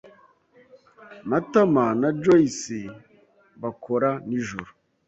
Matama na Joyci bakora nijoro.